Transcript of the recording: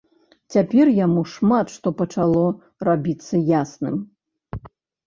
Цяпер яму шмат што пачало рабіцца ясным.